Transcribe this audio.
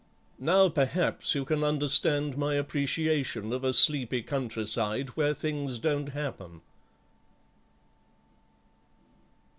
Now, perhaps, you can understand my appreciation of a sleepy countryside where things don't happen."